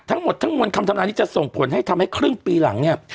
ทั้งหมดทั้งมวลคำทำลายนี้จะส่งผลให้ทำให้ครึ่งปีหลังเนี่ย